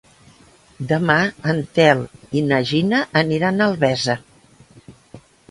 Demà en Telm i na Gina aniran a Albesa.